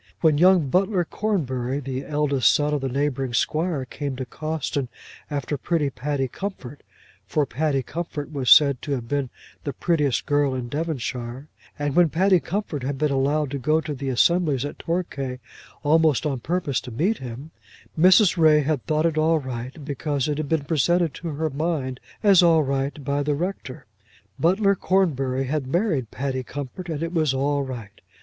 When young Butler Cornbury, the eldest son of the neighbouring squire, came to Cawston after pretty Patty Comfort, for Patty Comfort was said to have been the prettiest girl in Devonshire; and when Patty Comfort had been allowed to go to the assemblies at Torquay almost on purpose to meet him, Mrs. Ray had thought it all right, because it had been presented to her mind as all right by the Rector. Butler Cornbury had married Patty Comfort and it was all right.